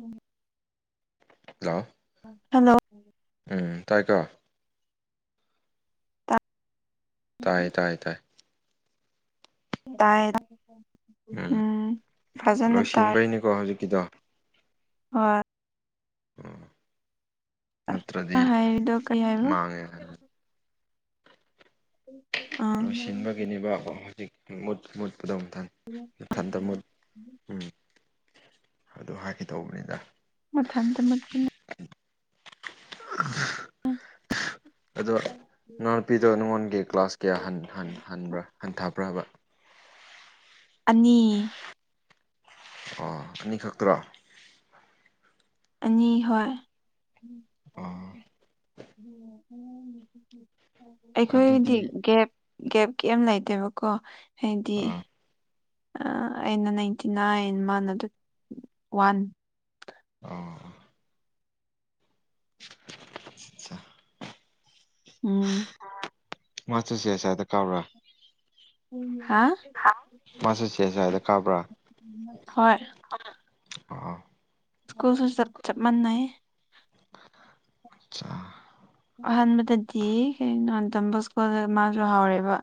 ꯎꯝ hello hello ꯎꯝ ꯇꯥꯏꯀꯣ ꯇꯥꯏ ꯇꯥꯏ ꯇꯥꯏ ꯇꯥꯏ ꯎꯝ ꯐꯖꯅ ꯇꯥꯔꯦ [unintelligible] ꯍꯨꯖꯤꯛꯀꯤꯗꯣ ꯍꯣꯏ ꯎꯝ ꯅꯠꯇ꯭ꯔꯗꯤ ꯍꯥꯏꯔꯤꯗꯣ ꯀꯩ ꯍꯥꯏꯕ ꯃꯥꯡꯉꯦ [inaudible] ꯂꯣꯏꯁꯤꯟꯕꯒꯤꯅꯦꯕ ꯍꯧꯖꯤꯛ ꯃꯨꯠ ꯃꯨꯠꯄꯗꯣ ꯃꯊꯟ ꯃꯊꯟꯗ ꯃꯨꯠ ꯎꯝ ꯑꯗꯨ ꯍꯥꯏꯒꯦ ꯇꯧꯕꯅꯤꯗ ꯃꯊꯟꯗ ꯃꯨꯠꯄꯅꯦ [unintelligible] [unintelligible] ꯑꯗꯣ ꯅꯅꯥꯎꯅꯨꯄꯤꯗꯣ ꯅꯉꯣꯟꯒꯤ ꯀ꯭ꯂꯥꯁ ꯀꯌꯥ ꯍꯟ ꯍꯟ ꯍꯟꯕ꯭ꯔ ꯍꯟꯊꯕ꯭ꯔꯕ ꯑꯅꯤ ꯑꯣ ꯑꯅꯤ ꯈꯛꯇꯔꯣ ꯑꯅꯤ ꯍꯣꯏ ꯑꯣ [unintelligible] ꯑꯩꯈꯣꯏꯗꯤ ꯑꯗꯨꯗꯤ ꯒꯦꯞ ꯒꯦꯞ ꯀꯩꯝ ꯂꯩꯇꯦꯕꯀꯣ ꯍꯥꯏꯗꯤ ꯑꯥ ꯑ ꯑꯩꯅ ꯅꯥꯏꯟꯇꯤ ꯅꯥꯏꯟ ꯃꯥꯅ ꯑꯗꯨ ꯋꯥꯟ ꯑꫭ [unintelligible] ꯆꯥ ꯎꯝ [unintelligible] ꯀꯕ꯭ꯔꯥ ꯎꯝ ꯍꯥ ꯍꯥ ꯃꯥꯁꯦ ꯆꯦꯖꯥꯏꯗ ꯀꯥꯕ꯭ꯔꯥ ꯍꯣꯏ ꯑꯣ ꯁ꯭ꯀꯨꯜꯁꯨ ꯆꯞ ꯆꯞ ꯃꯟꯅꯩ ꯑꯆꯥ ꯑꯍꯥꯟꯕꯗꯗꯤ ꯀꯩꯅꯣ ꯇꯝꯕ ꯁ꯭ꯀꯨꯜꯗ ꯃꯥꯖꯨ ꯍꯥꯎꯔꯦꯕ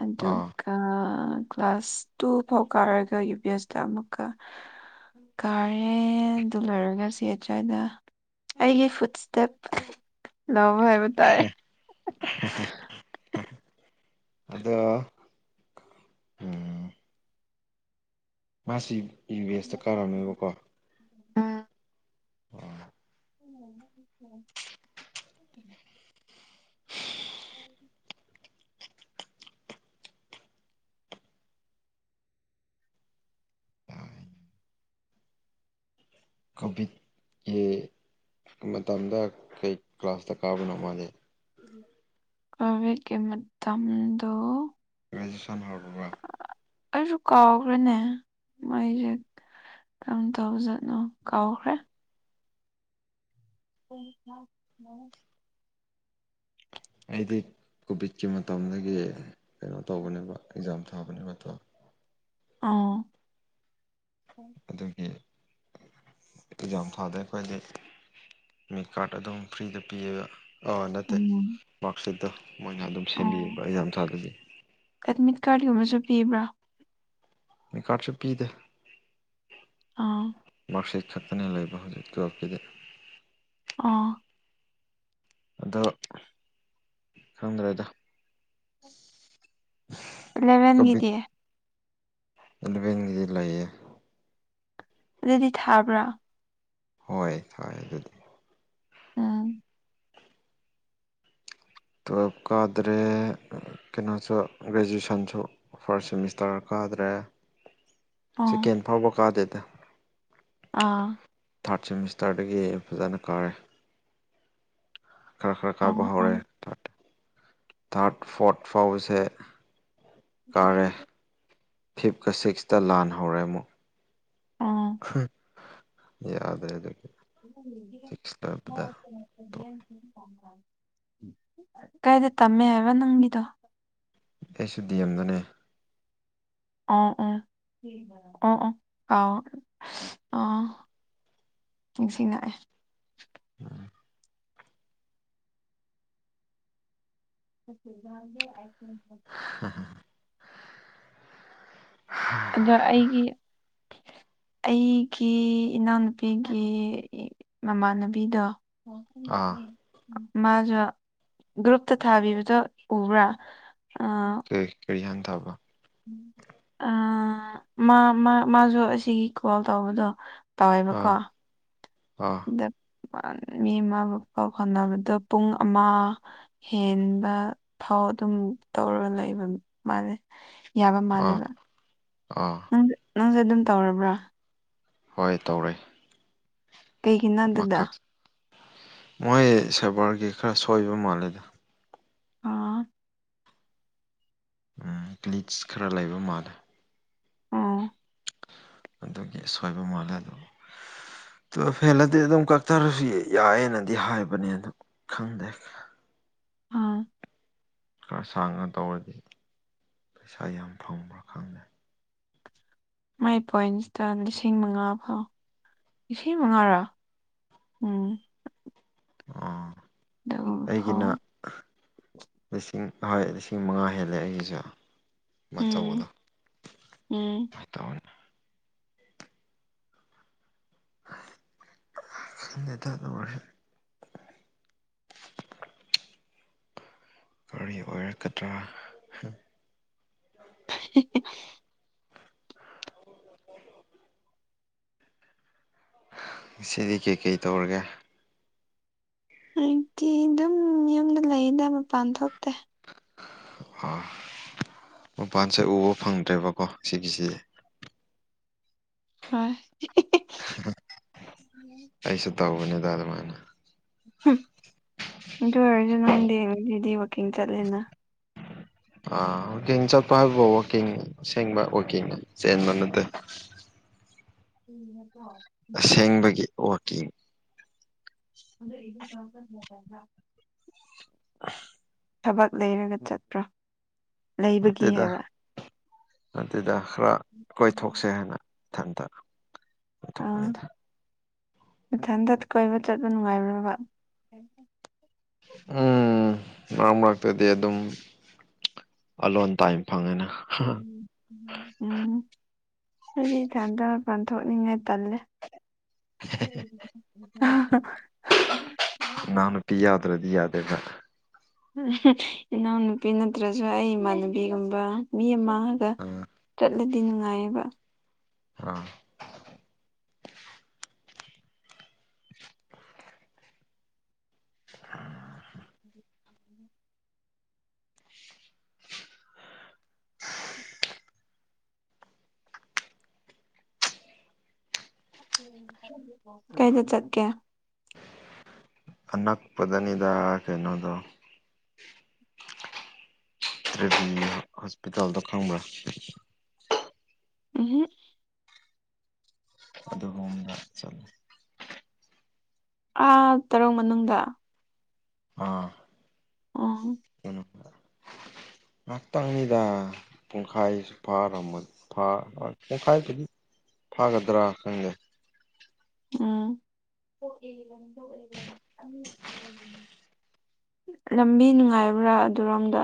ꯑꯗꯨ ꯑꯣ ꯑꯥ ꯀ꯭ꯂꯥꯁ ꯇꯨ ꯐꯥꯎ ꯀꯥꯔꯒ ꯌꯨ ꯕꯤ ꯑꯦꯁꯇꯥ ꯑꯃꯨꯛꯀꯥ ꯀꯥꯔꯦ ꯑꯗꯨ ꯂꯣꯏꯔꯒꯥ ꯁꯤ [unintelligible] ꯗꯥ ꯑꯩꯒꯤ ꯐꯨꯠ ꯏꯁꯇꯦꯞ [unintelligible] [unintelligible] ꯑꯗꯣ ꯎꯝ ꯃꯥꯁꯤ ꯌꯨ ꯑꯦꯁꯇ ꯀꯥꯔꯝꯃꯦꯕꯀꯣ ꯎꯝ ꯑꯣ [inaudible] [unintelligible] ꯀꯣꯚꯤꯠꯀꯤ ꯃꯇꯝꯗꯥ ꯀꯩ ꯀ꯭ꯂꯥꯁꯇꯥ ꯀꯥꯕꯅꯣ ꯃꯥꯗꯤ ꯀꯣꯚꯤꯠꯀꯤ ꯃꯇꯝꯗꯣ ꯒ꯭ꯔꯦꯖꯨꯋꯦꯁꯟ ꯍꯧꯔꯕ꯭ꯔꯥ [inaudible] ꯑꯩꯁꯨ ꯀꯥꯎꯈ꯭ꯔꯦꯅꯦ ꯃꯥꯏꯖꯦ ꯀ꯭ꯔꯝ ꯇꯧꯕꯖꯥꯠꯅꯣ ꯀꯥꯎꯈ꯭ꯔꯦ [inaudible] ꯑꯩꯗꯤ ꯀꯣꯚꯤꯠꯀꯤ ꯃꯇꯝꯗꯒꯤ ꯀꯩꯅꯣ ꯇꯧꯕꯅꯦꯕ ꯑꯦꯛꯖꯥꯝ ꯊꯥꯕꯅꯦꯕ ꯇꯣ ꯑꯣ ꯑꯗꯨꯒꯤ ꯑꯦꯛꯖꯥꯝ ꯊꯥꯗꯦ ꯑꯩꯈꯣꯏꯗꯤ ꯃꯤꯠ ꯀꯥꯔꯠ ꯑꯗꯨꯝ ꯐ꯭ꯔꯤꯗ ꯄꯤꯌꯦꯒ ꯑꯣ ꯅꯠꯇꯦ ꯎꯝ ꯃꯥꯛꯁꯤꯠꯇꯣ ꯃꯣꯏꯅ ꯑꯗꯨꯝ ꯁꯦꯝꯕꯤꯌꯦꯕ ꯑꯦꯛꯖꯥꯝ ꯊꯥꯗꯕꯤ ꯑꯦꯠꯃꯤꯠ ꯀꯥꯔꯠꯒꯨꯝꯕꯁꯨ ꯄꯤꯕ꯭ꯔꯥ ꯃꯤꯀꯥꯔꯠꯁꯨ ꯄꯤꯗꯦ ꯑꯥ ꯃꯥꯛꯁꯤꯠ ꯈꯛꯇꯅꯦ ꯂꯩꯕ ꯍꯧꯖꯤꯛ ꯇꯨꯋꯦꯞꯀꯤꯗꯤ ꯑꯣ ꯑꯗꯣ ꯈꯪꯗ꯭ꯔꯦꯗ [inaudible] ꯑꯦꯂꯚꯦꯟꯒꯤꯗꯤ ꯏꯂꯚꯦꯟꯒꯤꯗꯤ ꯂꯩꯌꯦ ꯑꯗꯨꯗꯤ ꯊꯥꯕ꯭ꯔꯥ ꯍꯣꯏ ꯊꯥꯏ ꯑꯗꯨꯗꯤ ꯎꯝ ꯇꯨꯋꯦꯜꯐ ꯀꯥꯗ꯭ꯔꯦ ꯀꯩꯅꯣꯁꯨ ꯒ꯭ꯔꯦꯖꯨꯏꯁꯟꯁꯨ ꯐꯥꯔꯁ ꯁꯦꯃꯤꯁꯇꯔ ꯀꯥꯗ꯭ꯔꯦ ꯑꯣ ꯁꯦꯀꯦꯟ ꯐꯥꯎꯕ ꯀꯥꯗꯦꯗ ꯑꯥ ꯊꯥꯔꯠ ꯁꯦꯃꯤꯁꯇꯔꯗꯒꯤ ꯐꯖꯅ ꯀꯥꯔꯦ ꯈꯔ ꯈꯔ ꯀꯥꯕ ꯑꯥ ꯍꯧꯔꯦ ꯊꯥꯔꯠ ꯐꯣꯔꯠ ꯐꯥꯎꯕꯁꯦ ꯀꯥꯔꯦ ꯐꯤꯞꯀꯥ ꯁꯤꯛꯁꯇꯥ ꯂꯥꯟ ꯍꯧꯔꯦ ꯑꯃꯨꯛ ꯑꯥ ꯑꯥ ꯍꯥ ꯌꯥꯗ꯭ꯔꯦ ꯑꯗꯨꯒꯤ ꯁꯤꯛꯁ ꯂꯣꯏꯕꯗ [inaudible] ꯀꯥꯏꯗ ꯇꯝꯃꯦ ꯍꯥꯏꯕ ꯅꯪꯒꯤꯗꯣ ꯑꯩꯁꯨ ꯗꯤ ꯑꯦꯝꯗꯅꯦ ꯑꯣ ꯑꯣ ꯑꯣ ꯑꯣ ꯑꯥꯎ ꯑꯣ ꯅꯤꯡꯁꯤꯡꯂꯛꯑꯦ ꯑꯥ [inaudible] [unintelligible] ꯑꯗꯣ ꯑꯩꯒꯤ ꯑꯩꯒꯤ ꯏꯅꯥꯎꯅꯨꯄꯤꯒꯤ ꯃꯃꯥꯟꯅꯕꯤꯗꯣ ꯑꯥ ꯃꯥꯖꯨ ꯒ꯭ꯔꯨꯞꯇ ꯊꯥꯕꯤꯕꯗꯣ ꯎꯕ꯭ꯔꯥ ꯑꯥ ꯑꯦ ꯀꯔꯤ ꯍꯥꯏꯅ ꯊꯥꯕ ꯑꯥ ꯃꯥ ꯃꯥ ꯃꯥꯖꯨ ꯑꯁꯤꯒꯤ ꯀꯣꯜ ꯇꯧꯕꯗꯣ ꯇꯧꯋꯦꯕꯀꯣ ꯑꯥ ꯑꯥ ꯗ ꯃꯤ ꯑꯃꯥꯕꯨ ꯄꯥꯎ ꯐꯥꯎꯅꯕꯗꯣ ꯄꯨꯡ ꯑꯃꯥ ꯍꯦꯟꯕ ꯐꯥꯎ ꯑꯗꯨꯝ ꯇꯧꯔꯒ ꯂꯩꯕ ꯃꯥꯂꯦ ꯌꯥꯕ ꯃꯥꯜꯂꯦꯕ ꯑꯣ ꯅꯪꯁ ꯅꯪꯁꯨ ꯑꯗꯨꯝ ꯇꯧꯔꯕ꯭ꯔꯥ ꯍꯣꯏ ꯇꯧꯔꯦ ꯀꯩꯒꯤꯅꯣ ꯑꯗꯨꯗ ꯑꯃꯥꯈꯛ ꯃꯣꯏ ꯁꯔꯕ꯭ꯔꯒꯤ ꯈꯔ ꯁꯣꯏꯕ ꯃꯥꯜꯂꯦꯗ ꯑꯣ ꯎꯝ ꯂꯤꯠꯁ ꯈꯔ ꯂꯩꯕ ꯃꯥꯜꯂꯦ ꯑꯣ ꯑꯗꯨꯒꯤ ꯁꯣꯏꯕ ꯃꯥꯜꯂꯦ ꯑꯗꯨ ꯇꯨꯋꯦꯞ ꯍꯦꯜꯂꯗꯤ ꯑꯗꯨꯝ ꯀꯛꯊꯔꯁꯨ ꯌꯥꯏꯑꯦꯅꯗꯤ ꯍꯥꯏꯕꯅꯦ ꯑꯗꯨ ꯈꯪꯗꯦ ꯑꯥ ꯈꯔ ꯁꯥꯡꯅ ꯇꯧꯔꯗꯤ ꯄꯩꯁꯥ ꯌꯥꯝ ꯐꯪꯕ꯭ꯔꯥ ꯈꯪꯗꯦ ꯃꯥꯏ ꯄꯣꯏꯟꯁꯇ ꯂꯤꯁꯤꯡ ꯃꯉꯥ ꯐꯥꯎ ꯂꯤꯁꯤꯡ ꯃꯉꯥꯔꯥ ꯎꯝ ꯑꯥ ꯑꯗꯨꯒꯨꯝꯕ ꯑꯩꯒꯤꯅ ꯐꯥꯎ ꯂꯤꯁꯤꯡ ꯍꯣꯏ ꯂꯤꯁꯤꯡ ꯃꯉꯥ ꯍꯦꯜꯂꯦ ꯑꯩꯒꯤꯁꯨ ꯑꯗꯨꯃꯥꯢ ꯎꯝ ꯇꯧꯕꯗꯣ ꯎꯝ [unintelligible] [unintelligible] ꯀꯔꯤ ꯑꯣꯏꯔꯛꯀꯗ꯭ꯔꯥ [unintelligible] ꯉꯁꯤꯗꯤ ꯀꯩꯀꯩ ꯇꯧꯔꯒꯦ ꯑꯩꯗꯤ ꯑꯗꯨꯝ ꯌꯨꯝꯗ ꯂꯩꯗ ꯃꯄꯥꯟ ꯊꯣꯛꯇꯦ ꯑꯥ ꯃꯄꯥꯟꯁꯦ ꯎꯕ ꯐꯪꯗ꯭ꯔꯦꯕꯀꯣ ꯁꯤꯒꯤꯁꯦ ꯍꯣꯏ ꯑꯩꯁꯨ ꯇꯧꯕꯅꯤꯗ ꯑꯗꯨꯃꯥꯏꯅ ꯑꯗꯨ ꯑꯣꯏꯔꯁꯨ ꯅꯪꯗꯤ ꯉꯁꯤꯗꯤ ꯋꯥꯛꯀꯤꯡ ꯆꯠꯂꯦꯅ ꯑꯥ ꯋꯥꯛꯀꯤꯡ ꯆꯠꯄ ꯍꯥꯏꯕꯨ ꯋꯥꯛꯀꯤꯡ ꯑꯁꯦꯡꯕ ꯋꯥꯛꯀꯤꯡ ꯆꯦꯟꯕ ꯅꯠꯇꯦ [inaudible] ꯑꯁꯦꯡꯕꯒꯤ ꯋꯥꯛꯀꯤꯡ [unintelligible] [unintelligible] ꯊꯕꯛ ꯂꯩꯔꯒ ꯆꯠꯄ꯭ꯔꯥ ꯂꯩꯕꯒꯤ ꯍꯥꯏꯕ ꯑꯗꯨꯗ ꯈꯔ ꯀꯣꯏꯊꯣꯛꯁꯦ ꯍꯥꯏꯅ ꯏꯊꯟꯇ ꯑꯥ ꯀꯣꯏꯊꯣꯛꯄꯅꯤꯗ ꯃꯊꯟꯇ ꯀꯣꯏꯕ ꯆꯠꯄ ꯅꯨꯡꯉꯥꯏꯕ꯭ꯔꯥꯕ [unintelligible] ꯎꯝ ꯃꯔꯛ ꯃꯔꯛꯇꯗꯤ ꯑꯗꯨꯝ ꯑꯂꯣꯟ ꯇꯥꯏꯝ ꯐꯪꯉꯦꯅ ꯎꯝ ꯑꯩꯗꯤ ꯏꯊꯟꯇ ꯃꯄꯥꯟ ꯊꯣꯛꯅꯤꯡꯉꯥꯏ ꯇꯜꯂꯦ [unintelligible] ꯀ꯭ꯔꯤ ꯌꯥꯗ꯭ꯔꯗꯤ ꯌꯥꯗꯦꯕ ꯏꯅꯥꯎꯅꯨꯄꯤ ꯅꯠꯇ꯭ꯔꯁꯨ ꯑꯩ ꯏꯃꯥꯟꯅꯕꯤꯒꯨꯝꯕ ꯃꯤ ꯑꯃꯒ ꯑꯥ ꯆꯠꯂꯗꯤ ꯅꯨꯡꯉꯥꯏꯌꯦꯕ ꯑꯥ [unintelligible] ꯀꯥꯏꯗ ꯆꯠꯀꯦ ꯑꯅꯛꯄꯗꯅꯤꯗ ꯀꯩꯅꯣꯗꯣ [unintelligible] ꯍꯣꯁꯄꯤꯇꯥꯜꯗꯣ ꯈꯪꯕ꯭ꯔꯥ ꯎꯝꯍꯨꯝ ꯑꯗꯨꯒꯨꯝꯗ ꯆꯠꯂꯦ ꯑꯥ ꯇꯔꯨꯡ ꯃꯅꯨꯡꯗ ꯑꯥ ꯎꯝ [unintelligible] ꯉꯥꯛꯇꯪꯅꯤꯗ ꯄꯨꯡꯈꯥꯏꯁꯨ ꯐꯥꯔꯝꯃꯣꯏ ꯐꯥ [unintelligible] ꯄꯨꯡꯈꯥꯏꯕꯨꯗꯤ ꯐꯥꯒꯗ꯭ꯔꯥ ꯈꯪꯗꯦ ꯎꯝ ꯂꯝꯕꯤ ꯅꯨꯡꯉꯥꯏꯕ꯭ꯔꯥ ꯑꯗꯨꯔꯣꯝꯗ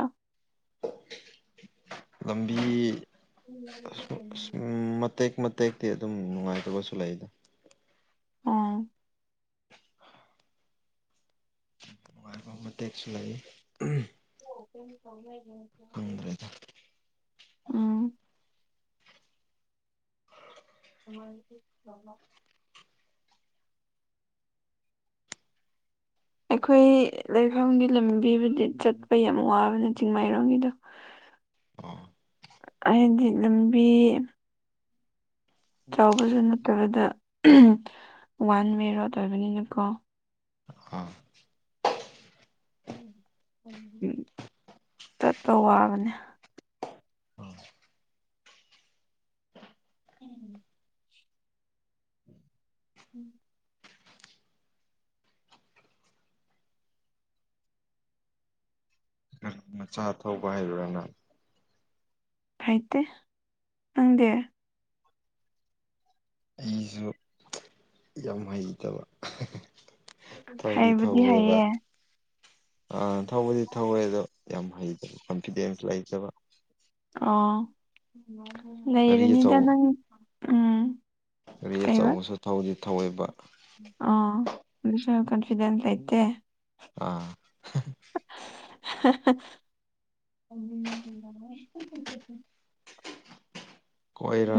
ꯂꯝꯕꯤ [unintelligible] ꯑꯁ ꯎꯝ ꯃꯇꯦꯛ ꯃꯇꯦꯛꯇꯤ ꯑꯗꯨꯝ ꯅꯨꯡꯉꯥꯏꯇꯕꯁꯨ ꯂꯩꯌꯦꯗ ꯑꯣ ꯅꯨꯡꯉꯥꯏꯕ ꯃꯇꯦꯛꯁꯨ ꯂꯩ [unintelligible] ꯈꯪꯗ꯭ꯔꯦꯗ ꯎꯝ [unintelligible] ꯑꯩꯈꯣꯏꯒꯤ ꯂꯩꯐꯝꯒꯤ ꯂꯝꯕꯤꯕꯨꯗꯤ ꯆꯠꯄ ꯌꯥꯝ ꯋꯥꯕꯅꯦ ꯆꯤꯡꯃꯩꯔꯣꯡꯒꯤꯗꯣ ꯑꯣ ꯑꯩꯗꯤ ꯂꯝꯕꯤ ꯆꯥꯎꯕꯖꯨ ꯅꯠꯇꯕꯗ ꯋꯥꯟ ꯃꯦꯔꯣꯠ ꯑꯣꯏꯕꯅꯤꯅꯀꯣ ꯑꯥ ꯎꯝ ꯆꯠꯄ ꯋꯥꯕꯅꯦ ꯎꯝ ꯎꯝ ꯃꯆꯥ ꯊꯧꯕ ꯍꯩꯕ꯭ꯔꯥ ꯅꯪ ꯍꯩꯇꯦ ꯅꯪꯗꯤ ꯑꯩꯖꯨ ꯌꯥꯝ ꯍꯩꯇꯕ ꯊꯧꯗꯤ ꯍꯩꯕꯨꯗꯤ ꯊꯧꯋꯦꯕ ꯍꯩꯌꯦ ꯑꯥ ꯊꯧꯕꯗꯤ ꯊꯧꯋꯦ ꯑꯗꯣ ꯌꯥꯝ ꯍꯩꯇ꯭ꯔꯤ ꯀꯣꯟꯐꯤꯗꯦꯟꯁ ꯂꯩꯇꯕ ꯑꯣ ꯒꯥꯔꯤ ꯅꯩꯔꯅꯤꯗ ꯑꯆꯧꯕ ꯅꯪ ꯎꯝ ꯒꯥꯔꯤ ꯀꯩꯕ ꯑꯆꯧꯕꯁꯨ ꯊꯧꯗꯤ ꯊꯧꯋꯦꯕ ꯑꯣ ꯁꯦꯜꯐ ꯀꯟꯐꯤꯗꯦꯟꯁ ꯂꯩꯇꯦ ꯑꯥ ꯑꯩꯗꯤ ꯅꯪꯒꯤ ꯏꯔꯥꯡ ꯍꯧꯋꯦ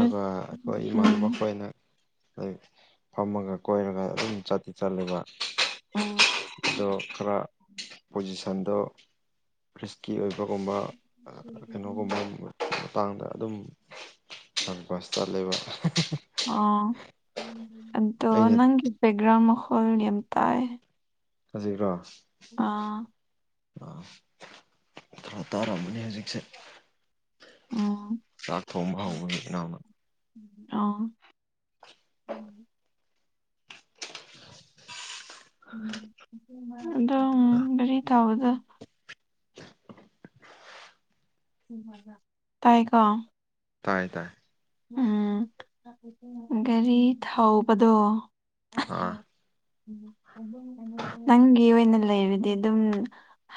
ꯎꯝ ꯑꯩꯈꯣꯏ ꯏꯃꯥꯟꯅꯕ ꯎꯝ ꯈꯣꯏꯅ ꯑꯩ ꯐꯝꯃꯒ ꯀꯣꯏꯔꯒ ꯑꯗꯨꯝ ꯆꯥꯠꯇꯤ ꯆꯥꯠꯂꯦꯕ ꯑꯣ ꯑꯗꯣ ꯈꯔ ꯄꯣꯖꯤꯁꯟꯗꯣ ꯈ꯭ꯔꯤꯁꯀꯤ ꯑꯣꯏꯕꯒꯨꯝꯕ ꯑ ꯀꯩꯅꯣꯒꯨꯝꯕꯩ ꯃꯇꯥꯡꯗ ꯑꯗꯨꯝ ꯁꯟꯄꯥꯁ ꯇ ꯂꯩꯕ ꯑꯥ ꯑꯗꯣ ꯑꯩꯅ ꯅꯪꯒꯤꯁꯦ ꯒ꯭ꯔꯥꯎꯟ ꯃꯈꯣꯜ ꯌꯝ ꯇꯥꯏ ꯍꯧꯖꯤꯛꯔꯣ ꯑꯥ ꯑꯥ ꯈꯔ ꯇꯥꯔꯝꯃꯅꯤ ꯍꯧꯖꯤꯛꯁꯦ ꯑ ꯆꯥꯛ ꯊꯣꯡꯕ ꯍꯧꯕꯒꯤ ꯏꯅꯥꯎꯅ ꯑꯣ ꯎꯝ ꯑꯗꯨꯝ ꯒꯥꯔꯤ ꯊꯧꯕꯗꯣ ꯏꯝꯐꯥꯜꯗ ꯇꯥꯏꯀꯣ ꯇꯥꯏ ꯇꯥꯏ ꯎꯝ ꯒꯥꯔꯤ ꯊꯧꯕꯗꯣ ꯑꯥ ꯎꯝꯍꯝ ꯑꯍꯣꯏ ꯅꯪꯒꯤ ꯑꯣꯏꯅ ꯂꯩꯔꯗꯤ ꯑꯗꯨꯝ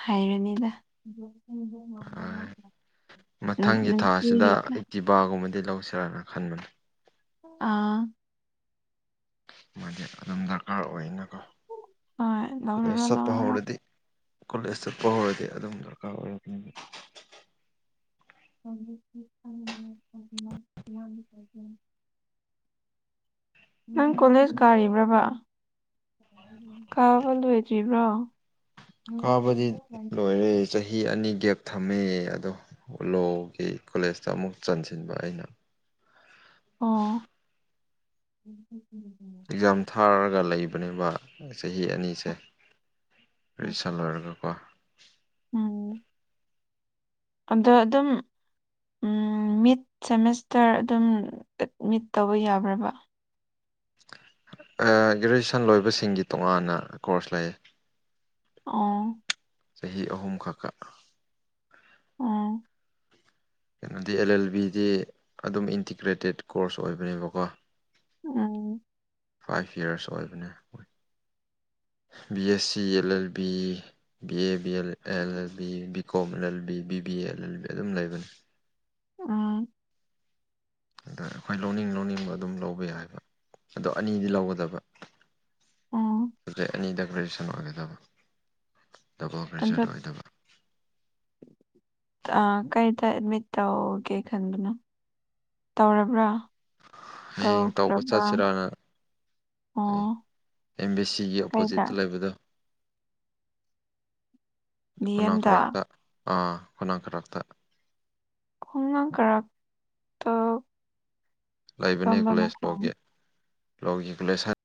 ꯍꯩꯔꯅꯤꯗ [unintelligible] ꯄꯥꯒꯨꯝꯕꯗꯤ ꯂꯧꯁꯤꯔꯥꯅ ꯈꯟꯕꯅꯤ ꯑꯥ ꯃꯥꯗꯤ ꯑꯗꯨꯝ ꯗꯔꯀꯥꯔ ꯑꯣꯏꯅꯀꯣ ꯍꯣꯏ ꯀꯣꯂꯦꯖ ꯂꯧꯔꯔꯣ ꯆꯠꯄ ꯂꯧꯔꯔꯣ ꯍꯧꯔꯗꯤ ꯀꯣꯂꯦꯖ ꯆꯥꯠꯄ ꯍꯧꯔꯗꯤ ꯑꯗꯨꯝ ꯗꯔꯀꯥꯔ ꯑꯣꯏꯔꯛꯀꯅꯤꯕ ꯍꯧꯖꯤꯛꯇꯤ ꯑꯩꯒꯤ ꯑꯣꯏꯒꯦꯔ ꯏꯃꯥꯒꯤ ꯑꯣꯏꯒꯦꯔ ꯅꯪ ꯀꯣꯂꯦꯖ ꯀꯥꯔꯤꯕ꯭ꯔꯥꯕ ꯀꯥꯕ ꯂꯣꯏꯗ꯭ꯔꯤꯕ꯭ꯔꯣ ꯀꯥꯕꯗꯤ ꯂꯣꯏꯔꯦ ꯆꯍꯤ ꯑꯅꯤ ꯒꯦꯞ ꯊꯝꯃꯦ ꯑꯗꯣ ꯂꯣꯒꯤ ꯀꯣꯂꯦꯖꯇ ꯑꯃꯨꯛ ꯆꯟꯁꯤꯟꯕ ꯑꯩꯅ ꯑꯣ ꯑꯦꯛꯖꯥꯝ ꯊꯥꯔꯒ ꯂꯩꯕꯅꯦꯕ ꯆꯍꯤ ꯑꯅꯤꯁꯦ ꯔꯤꯁꯜ ꯂꯣꯏꯔꯒ ꯄꯥ ꯑꯪ ꯑꯟꯗꯣ ꯑꯗꯨꯝ ꯎꯝ ꯃꯤꯠꯁ ꯁꯦꯃꯦꯁꯇꯔ ꯑꯗꯨꯝ ꯑꯦꯠꯃꯤꯠ ꯇꯧꯕ ꯌꯥꯕ꯭ꯔꯕ ꯑꯥ ꯒ꯭ꯔꯦꯖꯁꯟ ꯂꯣꯏꯕꯁꯤꯡꯒꯤ ꯇꯣꯉꯥꯟꯅ ꯀꯣꯔꯁ ꯂꯩꯌꯦ ꯑꯣ ꯆꯍꯤ ꯑꯍꯨꯝ ꯈꯛꯀ ꯎꯝ ꯀꯩꯅꯣꯗꯤ ꯑꯦꯜ ꯑꯦꯜ ꯕꯤꯗꯤ ꯑꯗꯨꯝ ꯏꯟꯇꯤꯀ꯭ꯔꯦꯇꯦꯠ ꯀꯣꯔꯁ ꯑꯣꯏꯕꯅꯦꯕꯀꯣ ꯎꯝ ꯐꯥꯏꯚ ꯌꯥꯔꯁ ꯑꯣꯏꯕꯅꯦ B A C L L B B A B L L L B B Kom L L B B B A L L B ꯑꯗꯨꯝ ꯂꯩꯕꯅꯤ ꯑꯣ ꯑꯗ ꯑꯩꯈꯣꯏ ꯂꯧꯅꯤꯡ ꯂꯧꯅꯤꯡꯕ ꯑꯗꯨꯝ ꯂꯧꯕ ꯌꯥꯏꯕ ꯑꯗꯣ ꯑꯅꯤꯗꯤ ꯂꯧꯒꯗꯕ ꯎꯝ ꯁꯕꯖꯦꯛ ꯑꯅꯤꯗ ꯒ꯭ꯔꯦꯖꯨꯁꯟ ꯑꯣꯏꯒꯗꯕ ꯗꯕꯣ ꯑꯗꯣ ꯐꯔꯦꯁꯔꯗ ꯑꯣꯏꯗꯕ ꯑꯥ ꯀꯩꯗ ꯑꯦꯠꯃꯤꯠ ꯇꯧꯒꯦ ꯈꯟꯕꯅꯣ ꯇꯧꯔꯕ꯭ꯔꯥ ꯍꯌꯦꯡ ꯇꯧꯕ ꯇꯧꯈ꯭ꯔꯕ꯭ꯔꯥ ꯆꯠꯁꯦꯔꯥꯅ ꯑꯦ ꯑꯣ ꯑꯦꯝ ꯕꯤ ꯁꯤꯒꯤ ꯀꯩꯗ ꯑꯣꯄꯣꯖꯤꯠꯇ ꯂꯩꯕꯗꯣ ꯗꯤ ꯈꯨꯅꯥꯡ ꯑꯦꯝꯗ ꯀꯥꯔꯛꯇ ꯑꯥ ꯈꯨꯅꯥꯡ ꯀꯥꯔꯛꯇ ꯈꯣꯅꯥꯡ ꯀꯔꯛꯇꯥ ꯂꯩꯕꯅꯦ ꯀꯣꯂꯦꯖ ꯂꯣꯒꯤ ꯂꯣꯒꯤ ꯀꯣꯂꯦꯖ ꯍ